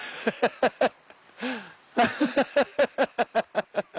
ハハハハハハ！